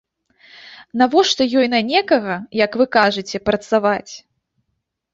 Навошта ёй на некага, як вы кажаце, працаваць?